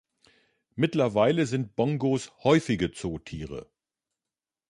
Mittlerweile sind Bongos „häufige“ Zootiere.